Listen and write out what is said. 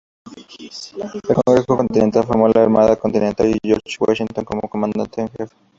El Congreso Continental formó la Armada Continental, con George Washington como comandante en jefe.